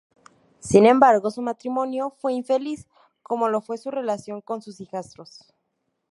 Sin embargo, su matrimonio fue infeliz, como lo fue su relación con sus hijastros.